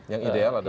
yang ideal adalah